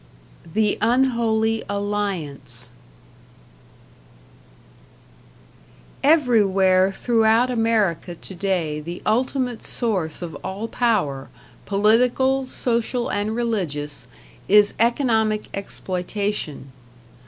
#The Unholy Alliance# Everywhere throughout America today the ultimate source of all power, political, social, and religious, is economic exploitation.